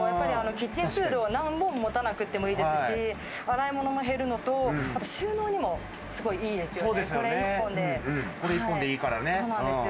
キッチンツールを何本も持たなくていいですし、洗い物も減るのと、収納にもすごくいいですよ